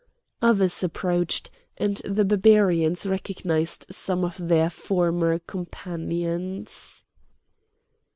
Others approached, and the Barbarians recognised some of their former companions.